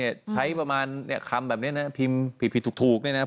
ใช้ประมาณคำแบบนี้นะครับพิมพ์ผิดถูกนะครับ